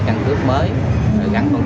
trong đó có công bào dân tộc công an